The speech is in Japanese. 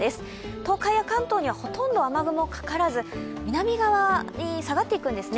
東海や関東にはほとんど雨雲はかからず、南側に下がっていくんですね。